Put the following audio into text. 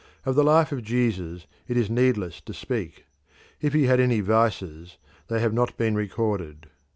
Of the life of Jesus it is needless to speak; if he had any vices they have not been recorded.